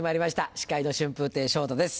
司会の春風亭昇太です